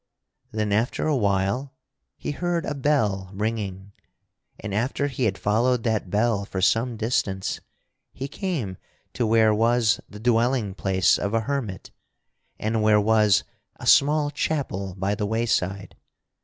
Then after a while he heard a bell ringing, and after he had followed that bell for some distance, he came to where was the dwelling place of a hermit and where was a small chapel by the wayside.